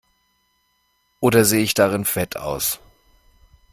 Oder sehe ich darin fett aus?